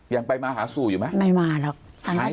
ยังไปมาหาสู่อยู่ไหมหายเรื่องเหรอไม่มาหรอก